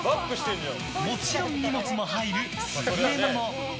もちろん荷物も入る優れもの。